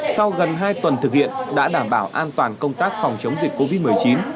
sau gần hai tuần thực hiện đã đảm bảo an toàn công tác phòng chống dịch covid một mươi chín